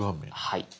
はい。